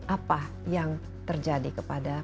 apa yang terjadi kepada